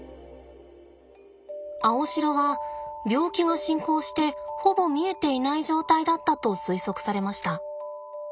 アオシロは病気が進行してほぼ見えていない状態だったと推測されました。